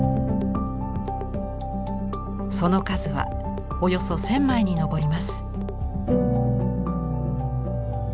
その数はおよそ１０００枚に上ります。